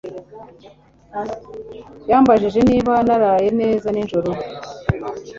Yambajije niba naraye neza nijoro